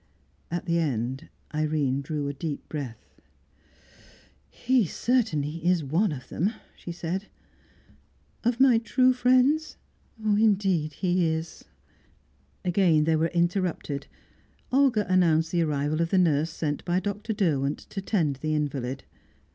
At the end, Irene drew a deep breath. "He, certainly, is one of them," she said. "Of my true friends? Indeed, he is." Again they were interrupted. Olga announced the arrival of the nurse sent by Dr. Derwent to tend the invalid.